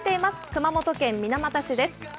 熊本県水俣市です。